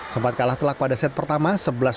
sempat kalah telak pada set pertama sebelas dua puluh satu